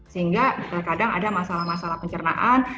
sehingga terkadang ada masalah masalah pencernaan